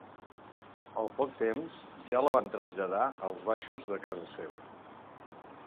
Al poc temps, ja la van traslladar als baixos de casa seva.